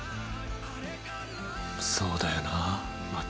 そうだよな松。